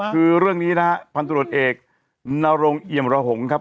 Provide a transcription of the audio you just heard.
คือเรื่องนี้นะฮะพันธุรกิจเอกนรงเอี่ยมระหงครับ